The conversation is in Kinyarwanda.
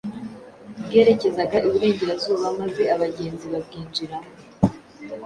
bwerekezaga iburengerazuba maze abagenzi babwinjiramo.